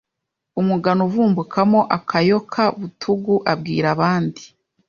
umugano uvumbukamo akayoka Butugu, abwira abandi